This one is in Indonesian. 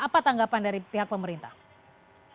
apa tanggapan dari pihak pemerintah